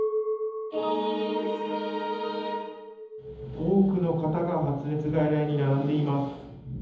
多くの方が発熱外来に並んでいます。